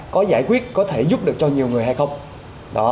có giải quyết có thể giúp được cho nhiều người hay không